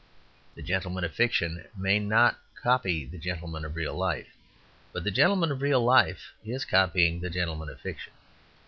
The gentleman of fiction may not copy the gentleman of real life; but the gentleman of real life is copying the gentleman of fiction.